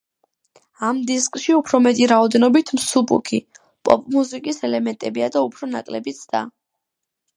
ამ დისკში უფრო მეტი რაოდენობით მსუბუქი, პოპ-მუსიკის ელემენტებია და უფრო ნაკლები ცდა.